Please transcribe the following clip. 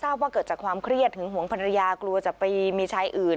ว่าเกิดจากความเครียดหึงหวงภรรยากลัวจะไปมีชายอื่น